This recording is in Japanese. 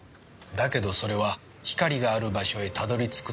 「だけどそれは光がある場所へたどり着くための道」